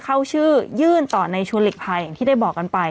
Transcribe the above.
เข้าชื่อยื่นต่อในชวนฤกษ์ภัยที่ได้บอกกันไป